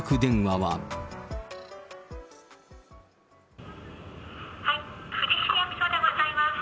はい、富士市役所でございます。